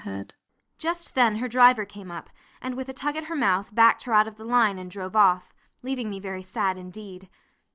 Just then her driver came up, and with a tug at her mouth backed her out of the line and drove off, leaving me very sad indeed.